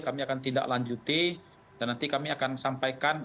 kami akan tindak lanjuti dan nanti kami akan sampaikan